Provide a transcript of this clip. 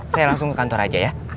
saya langsung ke kantor aja ya